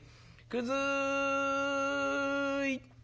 「くずい」。